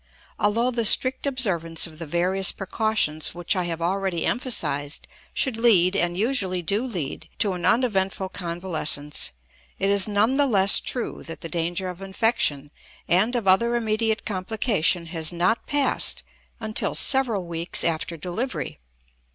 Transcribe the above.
Although the strict observance of the various precautions which I have already emphasized should lead and usually do lead to an uneventful convalescence, it is none the less true that the danger of infection and of other immediate complication has not passed until several weeks after delivery.